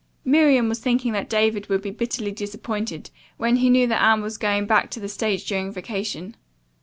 Miriam was thinking that David would be bitterly disappointed when he knew that Anne was going back to the stage during vacation.